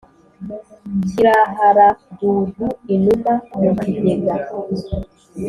Kirahara dudu-Inuma mu kigega.